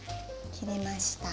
切れました。